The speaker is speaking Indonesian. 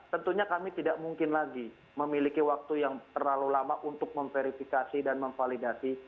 tentunya kami tidak mungkin lagi memiliki waktu yang terlalu lama untuk memverifikasi dan memvalidasi